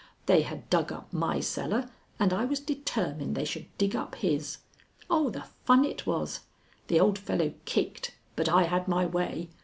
They had dug up my cellar, and I was determined they should dig up his. Oh, the fun it was! The old fellow kicked, but I had my way.